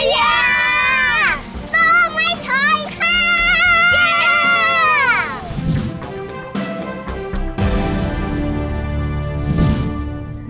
สู้ไมย์ทรอยฮะ